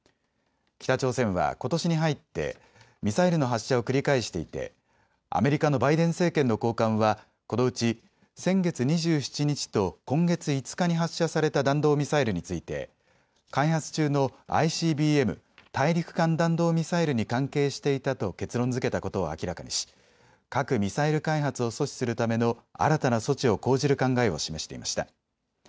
北朝鮮はことしに入ってミサイルの発射を繰り返していてアメリカのバイデン政権の高官はこのうち先月２７日と今月５日に発射された弾道ミサイルについて開発中のＩＣＢＭ・大陸間弾道ミサイルに関係していたと結論づけたことを明らかにし核・ミサイル開発を阻止するための新たな措置を講じる考えを示していました。